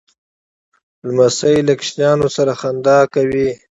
لمسی له ماشومانو سره خندا کوي.